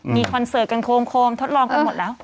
มีคอนเสิร์ตกันโคมทดลองกันหมดแล้ว